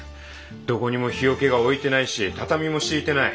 どこにも火桶が置いてないし畳も敷いてない。